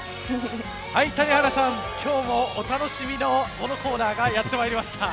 谷原さん、今日もお楽しみのこのコーナーがやってまいりました。